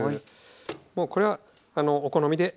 もうこれはお好みで。